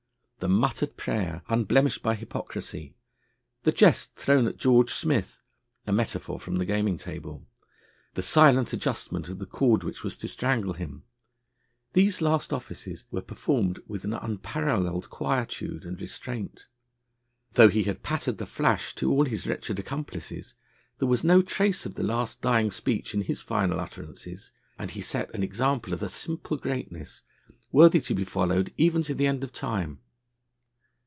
The muttered prayer, unblemished by hypocrisy, the jest thrown at George Smith a metaphor from the gaming table the silent adjustment of the cord which was to strangle him, these last offices were performed with an unparalleled quietude and restraint. Though he had pattered the flash to all his wretched accomplices, there was no trace of the last dying speech in his final utterances, and he set an example of a simple greatness, worthy to be followed even to the end of time.